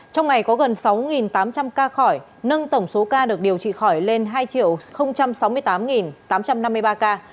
trong ngày có gần sáu tám trăm linh ca khỏi nâng tổng số ca được điều trị khỏi lên hai sáu mươi tám tám trăm năm mươi ba ca